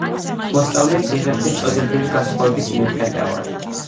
მოსწავლეებს იღებდნენ წოდებრივი განსხვავების მიუხედავად.